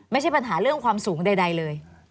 ไม่ใช่ปัญหาเรื่องความสูงใดเลย